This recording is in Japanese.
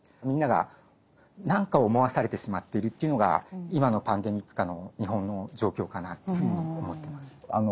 みんなが何か思わされてしまってるというのが今のパンデミック下の日本の状況かなというふうに思ってます。